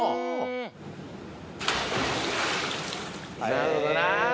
なるほどな。